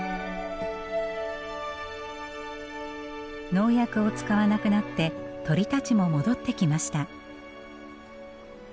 農薬を使わなくなって鳥たちも戻ってきました。